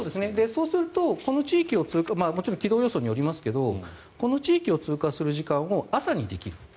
そうするともちろん軌道予想によりますけどこの地域を通過する時間を朝にできる。